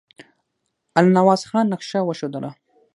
الله نواز خان نقشه وښودله.